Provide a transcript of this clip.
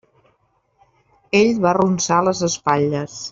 Ell va arronsar les espatlles.